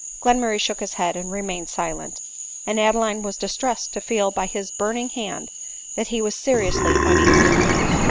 '* Glenmurray shook his head, and remained silent ; and Adeline was distressed to feel by his burning hand that he was seriously uneasy.